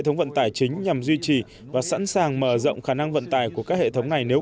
thống vận tải chính nhằm duy trì và sẵn sàng mở rộng khả năng vận tải của các hệ thống này nếu